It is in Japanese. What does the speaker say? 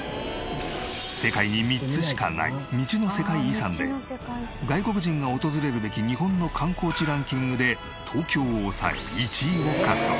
世界に３つしかない道の世界遺産で外国人が訪れるべき日本の観光地ランキングで東京を抑え１位を獲得。